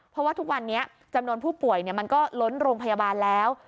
เพราะว่าทุกวันนี้จำนวนผู้ป่วยมันก็ล้นโรงพยาบาลแล้ว